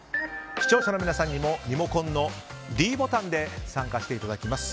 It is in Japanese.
視聴者の皆さんにもリモコンのｄボタンで参加していただきます。